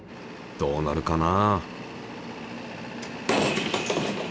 どうなるかな？